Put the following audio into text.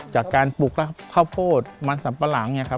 จากการปลูกข้าวโพดมันสัมปะหลัง